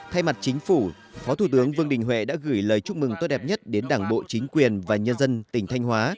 thay mặt chính phủ phó thủ tướng vương đình huệ đã gửi lời chúc mừng tốt đẹp nhất đến đảng bộ chính quyền và nhân dân tỉnh thanh hóa